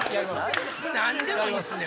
何でもいいんすね！